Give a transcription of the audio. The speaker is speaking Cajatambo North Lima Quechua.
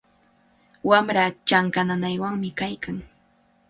Wamraa chanka nanaywanmi kaykan.